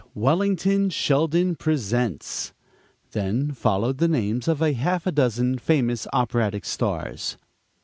Wellington Sheldon Presents_" Then followed the names of a half dozen famous operatic stars.